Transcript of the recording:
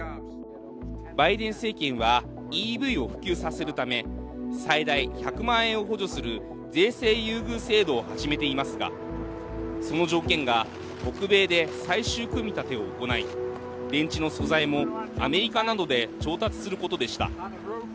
バイデン政権はＥＶを普及させるため最大１００万円を補助する税制優遇制度を始めていますがその条件が北米で最終組み立てを行い電池の素材もアメリカなどで調達することでした。